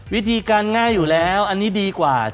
วิธีการง่ายอยู่แล้วอันนี้ดีกว่า